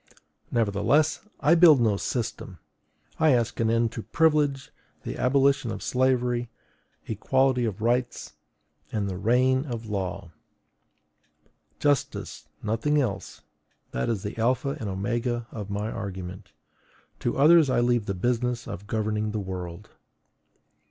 Nevertheless, I build no system. I ask an end to privilege, the abolition of slavery, equality of rights, and the reign of law. Justice, nothing else; that is the alpha and omega of my argument: to others I leave the business of governing the world.